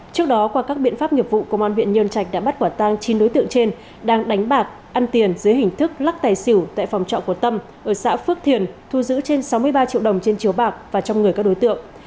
trước đó qua các biện pháp nghiệp vụ công an huyện nhân trạch đã bắt quả tang chín đối tượng trên đang đánh bạc ăn tiền dưới hình thức lắc tài xỉu tại phòng trọ của tâm ở xã phước thiền thu giữ trên sáu mươi ba triệu đồng trên chiếu bạc và trong người các đối tượng